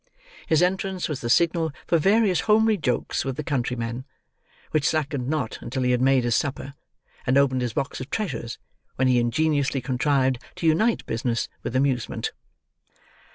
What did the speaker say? His entrance was the signal for various homely jokes with the countrymen, which slackened not until he had made his supper, and opened his box of treasures, when he ingeniously contrived to unite business with amusement.